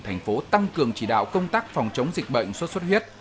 thành phố tăng cường chỉ đạo công tác phòng chống dịch bệnh xuất xuất huyết